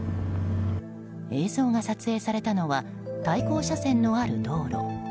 映像が撮影されたのは対向車線のある道路。